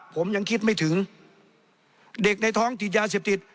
ผมยังคิดไม่ถึงเด็กในท้องติดยาเสพติด